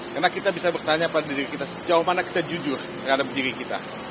karena kita bisa bertanya pada diri kita sejauh mana kita jujur terhadap diri kita